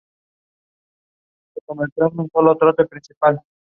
Allí fue movilizado por el bando franquista en el Batallón de Transmisiones de Segovia.